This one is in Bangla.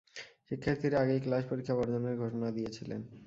শিক্ষার্থীরা আগেই ক্লাস পরীক্ষা বর্জনের ঘোষণা দিয়েছিলেন।